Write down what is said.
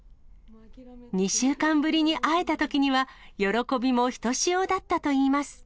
２週間ぶりに会えたときには、喜びもひとしおだったといいます。